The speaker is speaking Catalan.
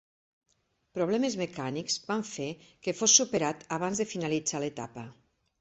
Problemes mecànics van fer que fos superat abans de finalitzar l'etapa.